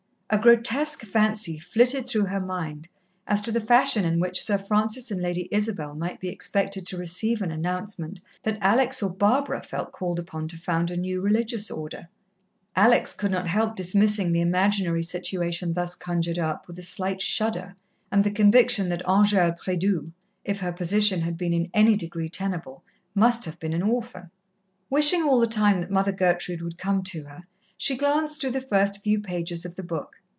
A grotesque fancy flitted through her mind as to the fashion in which Sir Francis and Lady Isabel might be expected to receive an announcement that Alex or Barbara felt called upon to found a new religious Order. Alex could not help dismissing the imaginary situation thus conjured up with a slight shudder, and the conviction that Angèle Prédoux, if her position had been in any degree tenable, must have been an orphan. Wishing all the time that Mother Gertrude would come to her, she glanced through the first few pages of the book.